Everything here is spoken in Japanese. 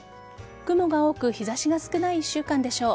雲が多く日差しが少ない１週間でしょう。